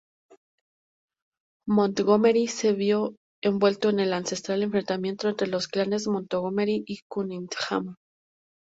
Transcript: Montgomery se vio envuelto en el ancestral enfrentamiento entre los clanes Montgomery y Cunningham.